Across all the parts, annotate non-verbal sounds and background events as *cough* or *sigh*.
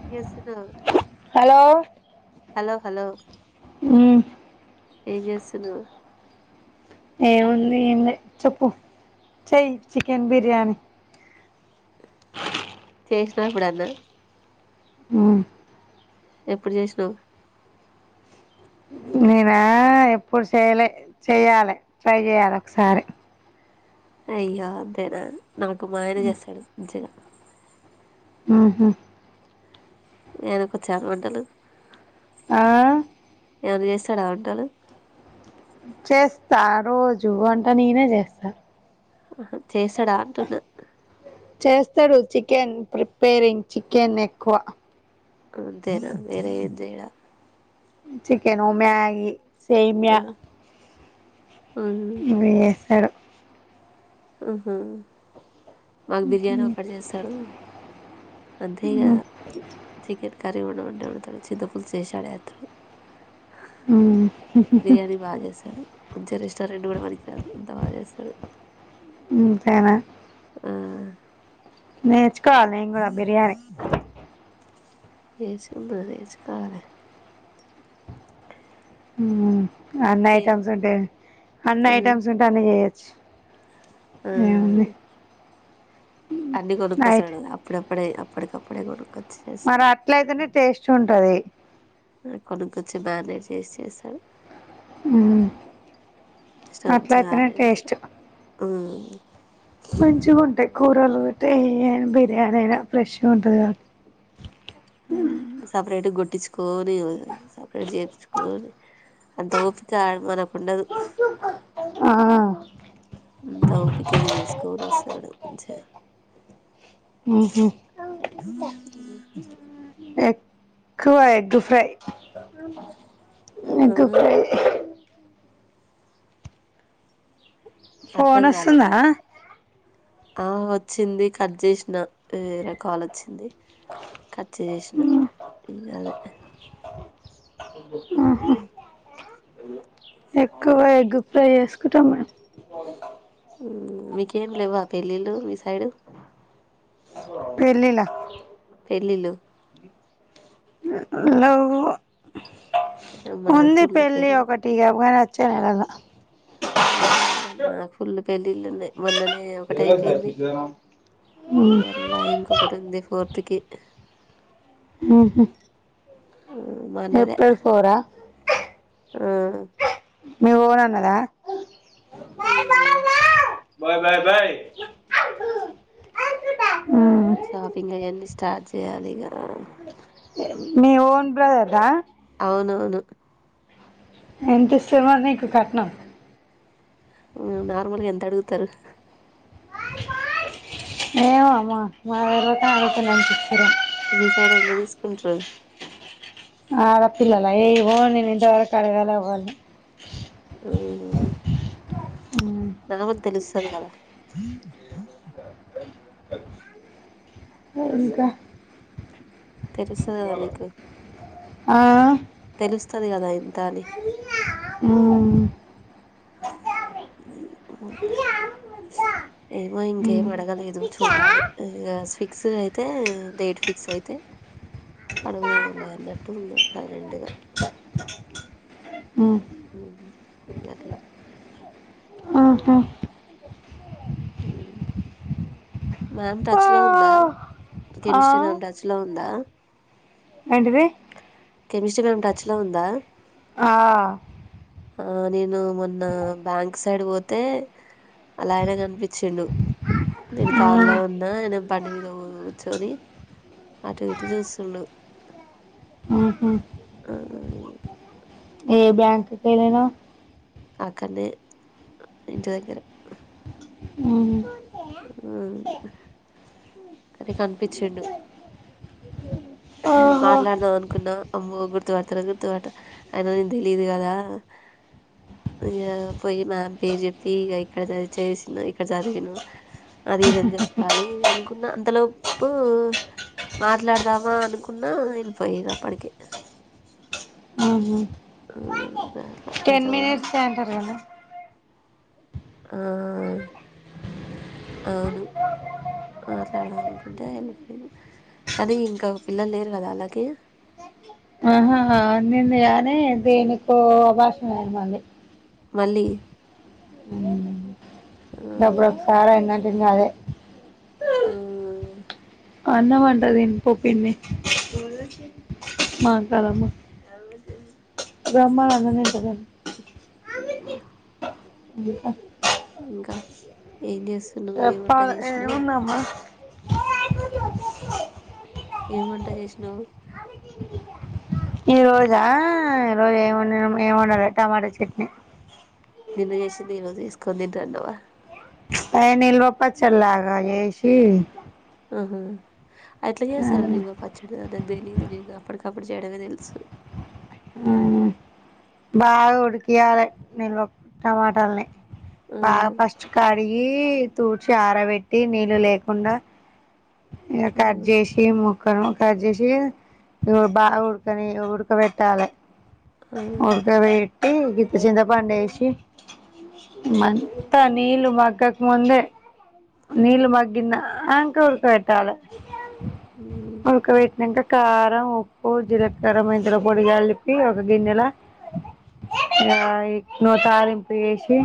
ఏం చేస్తున్నావ్ hello hello ఏ చేస్తుంది ఏముంది చెప్పు చై చికెన్ బిర్యానీ చేషణం ఇప్పుడన్న ఆ ఎప్పుడు చేసినావు నేనా ఎప్పుడు చేయలే చెయ్యాలి ట్రై చేయాలి ఒకసారి అయ్యదర నమకు మనేజ్స్తాడు ఆహా నేన ఒకచ్చాల వంటలు ఆ ఏమన్నా చేస్తాడా వంటలు చేస్తా రోజు అంటే నేనే చేస్తా ఆ చేశాడా అంటున్నా చేస్తాడు చికెన్ ప్రిపేరింగ్ చికెన్ ఎక్కువ అంతేనా వేర ఎంతేడా చికెను మ్యాగి సమ ఆ ఉహు బీఎస్ఆర్ ఆహా మాకు బిర్యానీ ఒకటి చేస్తాడు అంతే ఇక ఉమ్, చికెన్ కర్రీ ఉండ వంటే ఉడతాడు చింతపుులు చేసాడుే అతడు రే మంచి రెస్టారెంట్ కూడా పనికి రాదు అంత బాగా చేస్తాడు సనా ఆ మ నీక్కూడ కూడా బిర్యానీ ఏచి ఉంద చేచి కాల ఉ అన్ని ఏ ఐటెమ్స్ ఉంటాయి అన్ని ఉమ్ ఐటమ్స్ ఉంటె అన్ని చేయచ్చు ఆ అన్ని రైట్ కొనుక్కోస్తడు అప్పుడప్పుడు కప్పుడే అప్పుడికప్పుడే కొనుకో మరి అట్లయితేనే టేస్ట్ ఉంటది ఆ కొనుకొచ్చి మా ఆయనే చేసి చేస్తాడు అట్లైతేనే టేస్ట్ ఆ మంచిగా ఉంటాయి కూరలుట్టే ఏ బిర్యానీ అయినా ఫ్రెష్గా ఉంటది కాబట్టి సపరేట్ గొట్టిచ్చు కోని సపరేట్ చెప్పించుకోని అంత కోపిత్తే ఆడు మనకు ఉండదు ఆ అంతా ఓపికగ చేసుకోని వస్తాడు మంచిగా ఆహ అ ఎక్కువ ఎగ్ ఫ్రై ఆ ఎగ్ ఫ్రై అర్థం ఫోన్ కాలే వస్తుందా ఆ వచ్చింది కట్ చేసిన వేరే కాల్ వచ్చింది కచ్చ చేసిన ఇంగదే మ్మ్ హు ఎక్కువ ఎగ్గు ఫ్రై చేసుకుంటం మేం మీకేం లేవా పెళ్ళిళ్ళు మీ సైడు పెళ్లిళ్ల పెళ్ళిళ్ళు ఏ లెవ్వు అమ్మ నాకు ఉంది ఫుల్లు పెళ్లి పెళ్ళిళ్ళు ఒకటి ఈగ చేయాలా నాకు ఫుల్లు పెళ్ళిళ్ళుయి మొన్ననే ఒకటి అయిపోయింది మ్మ్. మళ్ళా ఇంకొకటి ఉంది ఫోర్త్ ర్త్కి హు మా ఏప్రిల్ ఫోరా హు మీరు పానన్నర బాయ్ బాయ్ బయ్ షాపింగ్ అయన్ని స్టార్ట్ చేయాలిగా మీ ఓన్ బ్రదర్ ద అవునవును ఎంత ఇచ్చిండ్రు మరి నీకు కట్నం హు నార్మల్గా ఎంత అడుగుతారు ఏమె మీ మాకు తెలువకనే అడుగుతున్నాం మీ సైడ్ ఎంత తీసుకుంటారు ఆ అడపిలల్లా ఏవో నేను ఇంతవరకు అడగలే ఎవర్నిని మ్మ్ మ్మ్ ఉమ్. తరువాత తెలుస్తది కదా ఇంకా తెలుస్తది కదా మీకు ఆ తెలుస్తది కదా ఇంత అని ఉమ్. ఏమో ఉమ్. ఇంకేం అడగలేదు చూడాలి ఇగా స్వి ఫిక్స్ అయితే డేట్ ఫిక్స్ అయితే అడుగుదాం లే అన్నట్టు ఉన్న సైలెంట్గా మ్మ్ ఉంది ఆ పిల్ల ఆహా మ్యామ్ ఆ. టచ్ లో ఉందా ఆ. కెమిస్ట్రీ నామ్ టచ్ లో ద ఏంటిది కెమిస్ట్రీ మ్యామ్ టచ్ లో ఉందా ఆ ఆ నేను మొన్న బ్యాంక్ సైడ్ పోతే వాళ్ళ ఆయన కనిపించిండు నేను కార్లో ఉమ్. ఉన్నా ఆయన బండి మీద కూర్చొని అటు ఇటు చూస్తుండు ఉహు. ఆ ఏ బ్యాంక్ కెళ్ళినవ్ అక్కనే ఇంటి దగ్గర అవున ఆ కానీ కనిపించిండు మాట్లాడదాం అనుకున్నా అమ్మో గుర్తుపడతారు గుర్తుపడత అయన నేను తెలిదు కదా ఇగ పోయి మ్యామ్ పేరు చెప్పి ఇక ఇక్కడది చేసిన ఇక్కడ చదివాను అది ఇది అని చెప్పాలి కున్న అంతలోపు మాట్లాడదాం మ అనుకున్నా ఆయన పొయ్యిరు అప్పటికి మ్మ్ *unintelligible* టెన్ మినిట్స్ అంటరు కదా ఆ అవును మాట్లాడదాం అనుకుంటే వెళిపోయిను, కానీ ఇంకా పిల్లలు లేరు కదా ఆళ్లకి ఆహాహా అది నింది యానీ దేనికో అభాషం ఐతంది మళ్ళీ ఆ దెబ్బకు సారైనన్ ఇంగ అదే ఆ అన్నం అంట దిన్ పొ పిన్ని, మా కాదమ్మ రమ్మ అన్నందిట ఉమ్ అ ఇంకా ఏం చేస్ చెప్పాలె ఏముందమ్మ. ఏం వంట చేసినవ్? ఈ రోజా ఈ రోజు ఏం వండినం, ఏమండలే టమాటా చట్నీ. నిన్న చేసింది ఈరోజు ఏసుకొని తింటన్నవా? అయ నిల్వప్పచ్చల్లాగా జేసి ఆహా ఎట్లా చేస్తారు నిల్వ పచ్ పచ్చడనాక్ తెలీదు, నేను అప్పటికప్పుడు చేయడమే తెలుసు. బాగా ఉడికియాలె నిల్వ టమాటల్ని ఆ బాగా ఫస్ట్ కడిగి, తూడిచి ఆరబెట్టి నీళ్ళు లేకుండా. ఇగ ఆ కట్ చేసి ము క్కను కట్ చేసి ఇగో బా ఉడకని ఉడకబెట్టాలే. ఆ ఉడకబెట్ సి గింత చింతపండు ఏశి, మం తా నీళ్లు మగ్గక ముందే, నీళ్లు మగ్గంద అంకా పెట్టాల హ్మ్ ఉడకపెట్టినంక కారం ఉప్పు జీలకార మెంతుల పొడి కలిపి ఒక గిన్నెలో, ఇగా తాలింపు ఏసి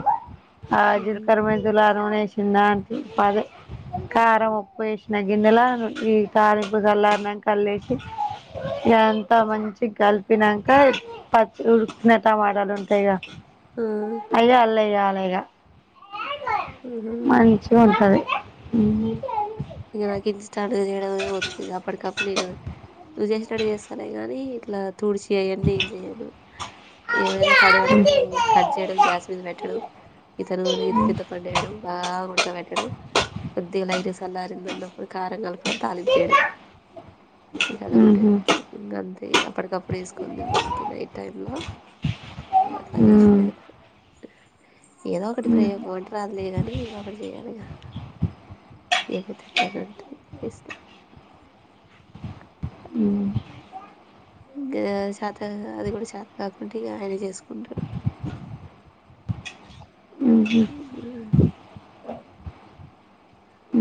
ఆ హ్మ్ జీలకర్ర మెంతుల నూనె ఏసి వచ్చిందానికి అదే కారం ఉప్ ఉప్పు ఏసిన గిన్నెల ఈ తాలింపు సల్లారినంక అల్లేసి, ఇగా అంత మంచిగ కలిపినంక, పచ్చి ఉడుకిన టమాటాలు ఉంటయిగా ఆ అయ్యిఅల్లేయ్యే ఫ్రైగ ఆహా! మంచిగా ఉంటది. ఉమ్ ఇగా నాకి ఇన్స్టంట్ గా చేయడం ఏమొచ్చిగ, అప్పటికప్పుడు నేను నువ్వు చేసిటట్టు చేస్తాలే గానీ ఇట్లా తుడిచేయన్నీ ఏం చేయను, ఏమైనా కడగడం కట్ చేయడం గ్యాస్ మీద పెట్టడం, ఇంత నూనె ఇంత చింత పండు వేయడం బాగా ఉడక పెట్టడం, కొద్దిగా లైట్ మారిందన్నప్పుడు కారం కలపడం తాలిం చేయడం ఇగా అదొక్కటే హ్మ్ ఇంకా అంతే అప్పుడు కప్పుడే కొన్ని తిన్నడానికి నైట్ టైమ్ంలో అట్లా చేసి మ్మ్ పాడుతా ఏదో ఒకటి హ్మ్ ప్రయోగం వంట రాదు లేగాని ఏదో ఒకటి చేయాలిగా చేయపోతే ఎట్టా అని అంటుంది చేసిన మ్మ్ ఇంకా చేత అది కూడా చేత కాకుంటే ఇగా ఆయనే చేసుకుంటాడు హ్మ్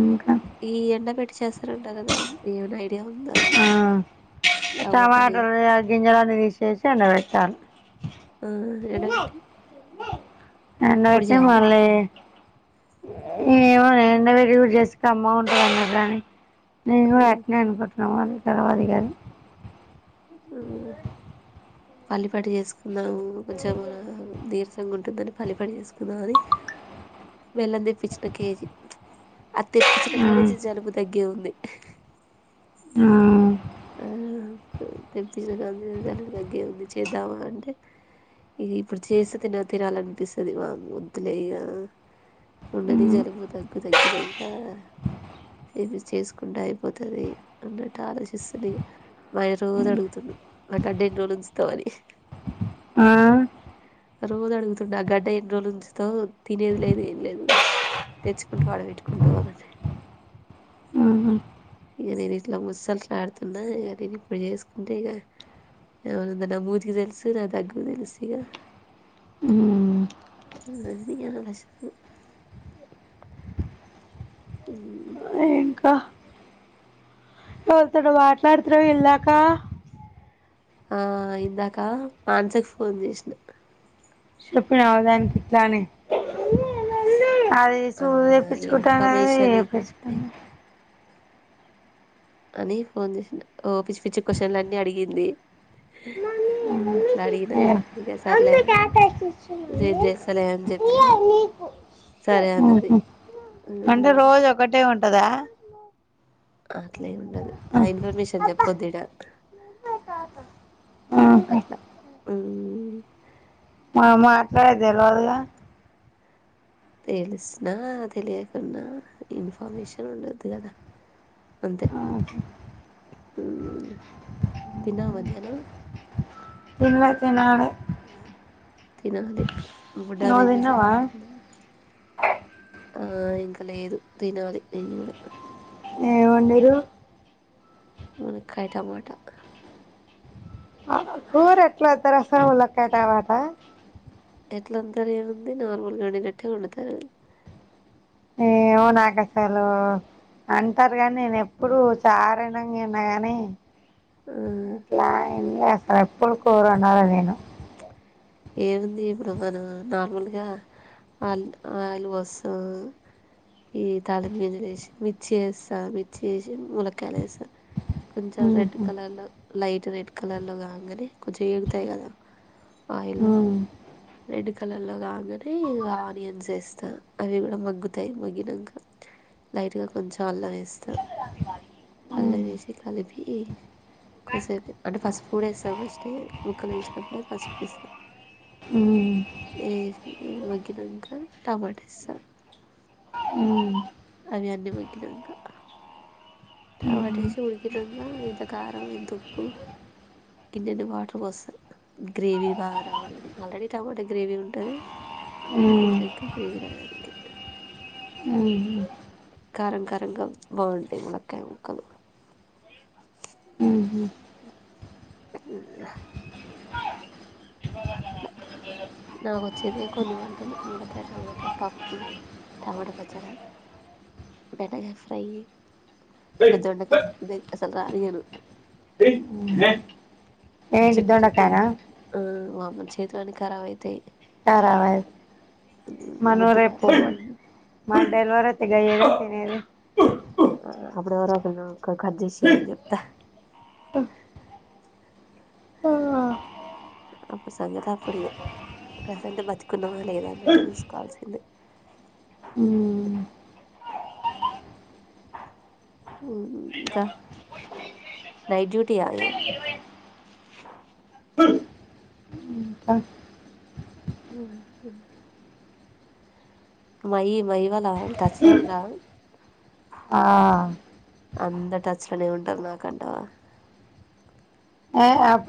ఇంకా ఈ ఎండ పెట్టి చేస్తారంటా కదా ఏమనా ఐడియా ఉందా ఆ టమాటాలు ఆ గింజలు తీసేసి ఎండబెట్టాలి ఆ ఎండబెట్టి పొడి ఎండబెట్టిన చేయాల్నా మళ్లీ ఏమోనే ఎండబెట్టి కూడా చేస్తే కమ్మగా ఉంటంది అన్నారు గానీ నేను కూడా అటనే అనుకుంటాన మరి తెలవదు ఇగా అది ఆ పల్లపాటు చేసుకు నా జమనా దీర్సంగా ఉంటని పలి పడి చేసుకుంద అది వెెల్లం తెప్పించిన కేజీ అది తెప్పిన కాద మ్మ్. ను జలుబు తగ్గే ఉంది ఆ తెప్పించినలు తగ్గే ఉంది చేద్దామా అంటే ఇది ఇప్పుడు చేస్త తిన తినాలనిపిస్తుంది వాంగ్ వద్దులేగా ఉండది మ్మ్. జరుబ తగ్గు తగ్గిన ఏమి చేసుకుంటే అయిపోతుంది అన్నట్టు ఆలోచిస్తుంది మయ రజ అడుగుతుండు నాకు అడ్డెంటి రోజు ఉంచుతామని ఆ రోజు అడుగుతుండే ఆ గడ్డ ఎన్ని రోజుల నుంచి త తినేది లేదు ఏం లేదు తెచ్చుకుంటూ ఆడ పెెట్టుకుంటూ వాదని మ్మ్. ఇక నేను ఇట్లా ముసలు ఆడుతున్నా ఇక నేను ఇప్పుడు చేసుకుంటే ఇక ఏమ నా మూతికి తెలుసు నా దగ్గుకు తెలుసు ఇక మ్మ్. అదినుశదు ఉ అహ్ పోతుడు మాట్లాడుత్రుఇల్లాకా ఆ ఇందాక మాన్సకు ఫోన్ చేసిన షప్పిన అవదాని ఇట్లానే అది ఆ సూలు తేప్పించుకుంటాను అనది ఇన్ఫర్మేషన్ తేప్పించుకు ఇస్తే అని ఫోన్ చేసిన ఓ పిచ్చి పిచ్చి క్వశ్చన్ల అన్నీ అడిగింది అట్లా అడిగినక ఇక సరలేనని రేట్ చేస్తలే అని చెప్పినా సరే అన్నది అంటే రోజు ఒకటే ఉంట్ టదా అంట్లే ను ఆ ఇన్ఫర్మేషన్ చెప్ పోదిడాహ అట్లా ఉ ఆ మాట్లాడేది దేల్ వదుగా తెలిసినా తెలియకున్నా ఇన్ఫర్మేషన్ ఉండద్దు కదా అంతే తిన్నావ మధ్యాహ్నం ఇంగ తిన్నాలి తినాలి బుడ్డ వేంజేసి తిన్నావా పడ ద ఆ ఇంకా లేదు తినాలి నేను కూడా ఏమ్ వండరు మన కయట మాట కూర ఎట్లా ఎత్తారో రస ములకాయతమాట ఎట్లా అంతారు ఏముంది నార్మల్ గా వండినట్టే వండుతారు ఏమో నాకు అసలు అంటారు కాని నేను ఎప్పుడుూ చారైన విన్నా గాని ఆ ఎక్కడ ఎప్పుడు కూర వండల నేను ఏముంది ఇప్పుడు మనం నార్మల్గా ఆల్ ఆయిల్ పోస్తాం ఈ తాలిం గింజలు వేసి మిర్చి చేస్తా మిర్చి చేేసి ములక్కయలు వేస్తాం కొంచెం రెడ్ ఉహు. కలర్ లో లైట్ కొంచం రెడ్ కలర్ లో కాగానే కొంచెం ఎగుతాయి కదా అ ఆయిల్లో రెడ్ కలర్లో కాగానే ఇగ ఆనియన్స్ వేస్తా అవి కూడా మగ్గుతాయి మగ్గినాక లైట్గా కొంచెం అల్లం వేస్తా ఉమ్. అల్లావేసి కలిపి కీ కొద్దసేపు అంటే ఫస్ట్ ఫుడ్ వేస్తావు ఫస్ట్ ఏ ముక్కలు వేసినప్పుడే పసుపు వేస్తా హు చేసి మగ్గినక టమాట ఎస్తారు ఉమ్. ఉమ్. అవి అన్నీ మొగ్కిినక టమాటా వేసి ఉడికినాక ఇంత కారం ఇంత ఉప్పు గిన్నెన్ని వాటర్ పోస్తా గ్రేవీ బాగా రావాలని ఆల్రెడీ టమాటా గ్రేవీ ఉంటుంది ఉమ్. ఇంకొంచెం ఎక్కువ గ్రేవీ రావడానికి ఉమ్. కారం కారం గా బాగుంటాయి ములక్కాయ ముక్కలు ఉమ్. అ అట్లా నాకు వచ్చేది కొన్ని వంటలు ములక్కాయ్ టమాటా పప్పు టమాట పచ్చడ బెండకాయ ఫ్రై ఏయ్, ఇంకా దొండకాయ్ రే అసల్ రానియ్యరు ఏయ్, ఏయ్, ఏ? ఏంటి చిట్ చిటెన్ దొండకాయనా ఆ మన చేతులన్నీ ఖరాబు అయితాయ్ కారవయ్ మనం మొద్దు రేపు బారుతాయి పోద్దున్ మనం డెలివరీ గయ్యేగ తినేది. అప్పుడు ఎవరో ఒకరు కట్ చేసి ఇయమని చెప్తా అప్పుడు సంగతి అప్పుడు ఇగ ప్రసెంట్ బతుకున్నామా లేదన్నట్టు చూసుకోవాల్సిందే ఇంకా నైట్ డ్యూటీ ఆ ఆ హ్మ్ ఉ మహి మహి వాళ్ళ టచ్ లో ఉండ్రా ఆ అంత టచ్ లోనే ఉంటం నాకు అంటావా ఏ ఆప్త్